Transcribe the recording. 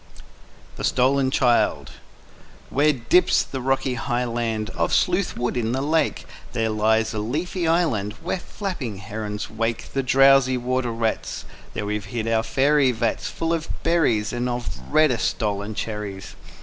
_ THE STOLEN CHILD WHERE dips the rocky highland Of Sleuth Wood in the lake, There lies a leafy island Where flapping herons wake The drowsy water rats; There we've hid our faery vats. Full of berries, And of reddest stolen cherries.